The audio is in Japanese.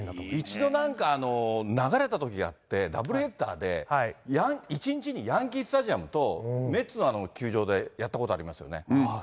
一度なんか、流れたときがあって、ダブルヘッダーで、一日にヤンキースタジアムと、メッツの球場でやったことありますよね。